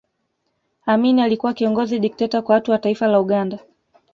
amini alikuwa kiongozi dikteta Kwa watu wa taifa la Uganda